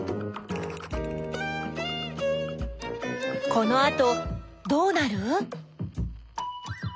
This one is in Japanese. このあとどうなる？